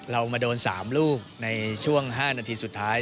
เรามาโดน๓ลูกในช่วง๕นาทีสุดท้าย